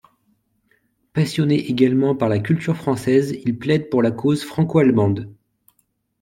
Passionné également par la culture française, il plaide pour la cause franco-allemande.